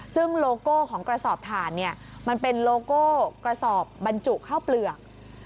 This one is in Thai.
ซึ่งโลโก้ของกระสอบถ่านมันเป็นโลโก้กระสอบบรรจุข้าวเปลือก